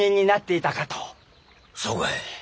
そうかい。